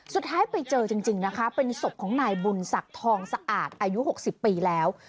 สุดท้ายไปเจอจริงนะคะเป็นศพของนายบุญศักดิ์ทองสะอาดอายุ๖๐ปีแล้ว